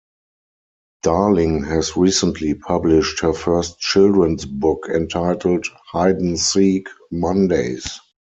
Darling has recently published her first children's book entitled "Hide 'n Seek Mondays".